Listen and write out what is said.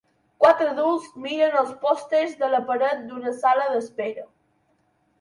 Quatre adults miren els pòsters de la paret d'una sala d'espera.